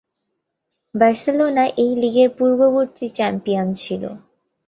Barcelona এই লীগের পূর্ববর্তী চ্যাম্পিয়ন ছিল।